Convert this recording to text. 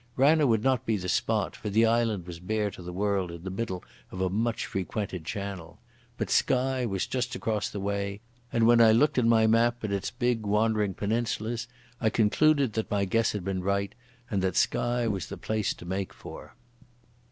Ranna would not be the spot, for the island was bare to the world in the middle of a much frequented channel. But Skye was just across the way, and when I looked in my map at its big, wandering peninsulas I concluded that my guess had been right, and that Skye was the place to make for.